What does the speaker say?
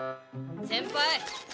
先輩！